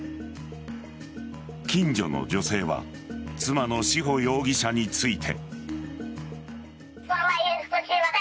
近所の女性は妻の志保容疑者について。